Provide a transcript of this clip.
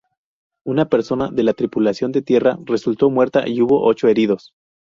Una persona de la tripulación de tierra resultó muerta y hubo ocho heridos.